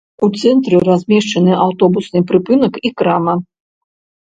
У цэнтры размешчаны аўтобусны прыпынак і крама.